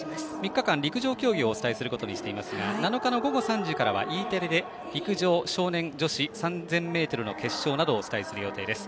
３日間陸上競技をお伝えすることにしていますが７日の午後３時からはＥテレで陸上少年女子３０００ｍの決勝などをお伝えする予定です。